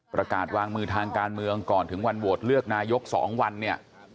ประกาศวางมือทางการเมืองก่อนถึงวันโหวตเลือกนายก๒วันเนี่ย